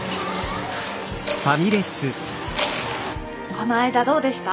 この間どうでした？